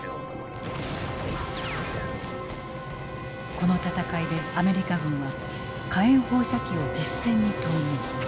この戦いでアメリカ軍は火炎放射器を実戦に投入。